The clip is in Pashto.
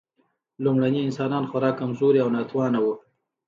لومړني انسانان خورا کمزوري او ناتوانه وو.